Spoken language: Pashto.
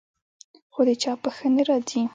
خو د چا په ښه نه راځي.